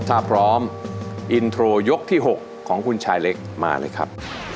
ถ้าพร้อมอินโทรยกที่๖ของคุณชายเล็กมาเลยครับ